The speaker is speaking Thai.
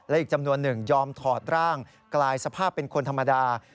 อีกจำนวนหนึ่งยอมถอดร่างกลายสภาพเป็นคนธรรมดา